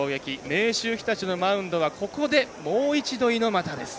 明秀日立のマウンドはここで、もう一度、猪俣です。